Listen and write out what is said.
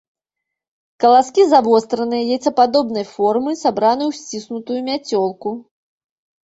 Каласкі завостраныя, яйцападобнай формы, сабраны ў сціснутую мяцёлку.